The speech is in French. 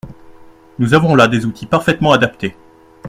Nous avons là des outils parfaitement adaptés.